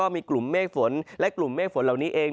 มีกลุ่มเมฆฝนและกลุ่มเมฆฝนเหล่านี้เอง